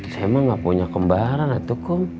saya mah gak punya kembaran atukum